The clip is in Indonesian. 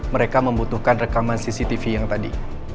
mereka membutuhkan rekaman cctv yang tadi